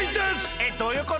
えっどういうこと？